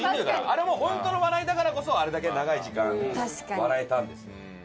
あれホントの笑いだからこそあれだけ長い時間笑えたんです。